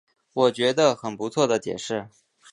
我觉得很不错的解释